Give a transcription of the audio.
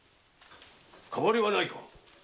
変わりはないか？